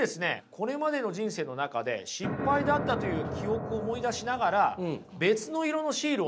これまでの人生の中で失敗だったという記憶を思い出しながら別の色のシールをね